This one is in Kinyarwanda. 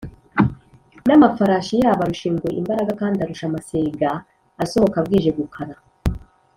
“n’amafarashi yabo arusha ingwe imbaraga, kandi arusha amasega asohoka bwije gukara